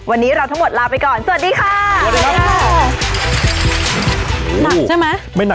วันนี้เราทั้งหมดลาไปก่อนสวัสดีค่ะ